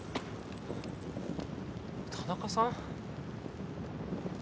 田中さん？